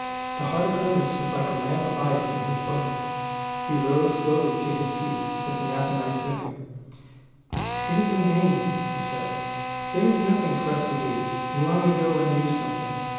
The heart of Hermas was like a lump of ice in his bosom. He rose slowly to his feet, lifting Athenais with him. "It is in vain," he said; "there is nothing for us to do. Long ago I knew something.